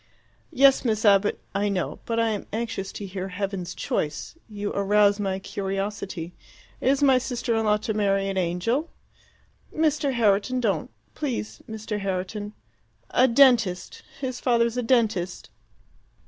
"Yes, Miss Abbott, I know. But I am anxious to hear heaven's choice. You arouse my curiosity. Is my sister in law to marry an angel?" "Mr. Herriton, don't please, Mr. Herriton a dentist. His father's a dentist."